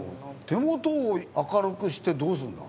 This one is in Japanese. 手元を明るくしてどうするんだ？